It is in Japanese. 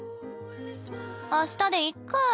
明日でいっか。